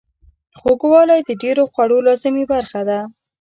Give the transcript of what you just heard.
خوږوالی د ډیرو خوړو لازمي برخه ده.